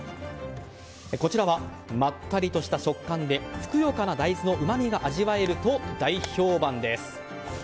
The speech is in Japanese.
こちらは、まったりとした食感でふくよかな大豆のうまみが味わえると大評判です。